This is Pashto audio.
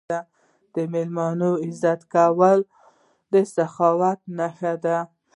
د میلمه عزت کول د سخاوت نښه ده.